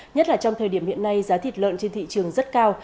nhất là trong thời điểm hiện nay giá thịt lợn trên thị trường rất cao